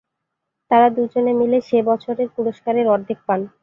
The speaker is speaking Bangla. তারা দুজনে মিলে সে বছরের পুরস্কারের অর্ধেক পান।